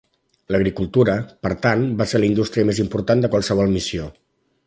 L'agricultura, per tant, va ser la indústria més important de qualsevol missió.